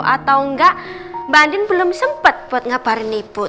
atau enggak mbak andin belum sempet buat ngaparin ibu